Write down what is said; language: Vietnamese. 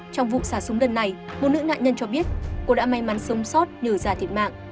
trong vụ xả súng đợt này một nữ nạn nhân cho biết cô đã may mắn sống sót nhờ già thiệt mạng